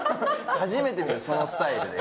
初めて見るそのスタイルで。